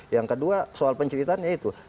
yang kedua soal penceritaannya itu